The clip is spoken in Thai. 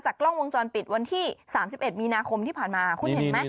กล้องวงจรปิดวันที่๓๑มีนาคมที่ผ่านมาคุณเห็นไหม